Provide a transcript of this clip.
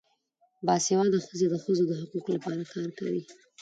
باسواده ښځې د ښځو د حقونو لپاره کار کوي.